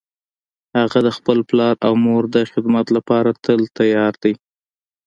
هغه د خپل پلار او مور د خدمت لپاره تل تیار ده